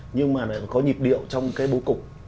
nhưng mà lại có nhịp điệu trong cái bố cục